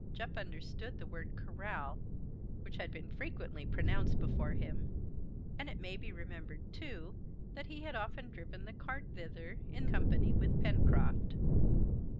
Jup understood the word corral, which had been frequently pronounced before him, and it may be remembered, too, that he had often driven the cart thither in company with Pencroft.